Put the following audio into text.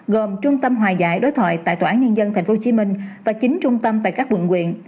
gồm trung tâm hòa giải đối thoại tại tòa án nhân dân tp hcm và chín trung tâm tại các quận quyện